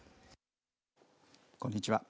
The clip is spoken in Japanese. こんにちは。